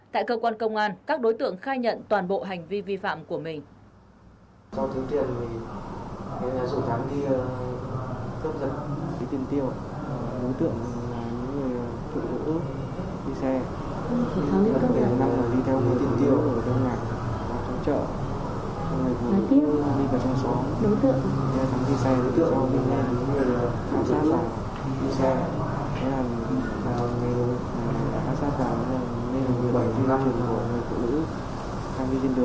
tại cơ quan công an các đối tượng khai nhận toàn bộ hành vi vi phạm của mình